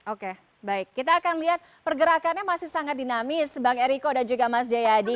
oke baik kita akan lihat pergerakannya masih sangat dinamis bang eriko dan juga mas jayadi